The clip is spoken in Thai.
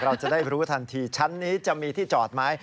เราจะได้รู้ทันทีชั้นนี้จะมีที่จอดไหม